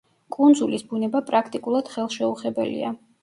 კუნძულის ბუნება პრაქტიკულად ხელშეუხებელია.